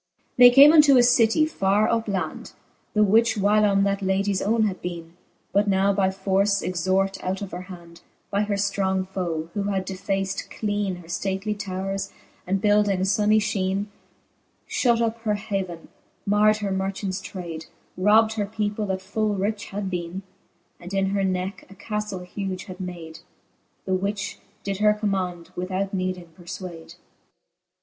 XXV. They came unto a citie farre up land. The which whylome that ladies owne had bcene; But now by force extort out of her hand, By her ftrong foe, who had defaced cleene Her {lately towres, and buildings funny {heene ; Shut up her haven, mard her marchants trade, Robbed her people, that full rich had beene. And in her necke a caftle huge had made. The which did her command, without needing perfwade.